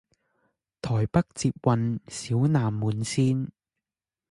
台北捷運小南門線